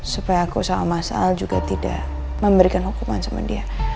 supaya aku sama mas al juga tidak memberikan hukuman sama dia